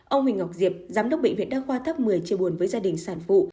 ông huỳnh ngọc diệp giám đốc bệnh viện đa khoa thấp một mươi chia buồn với gia đình sản phụ